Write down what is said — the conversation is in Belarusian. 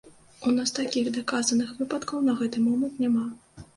У нас такіх даказаных выпадкаў на гэты момант няма.